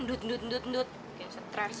ndut ndut ndut kayak stress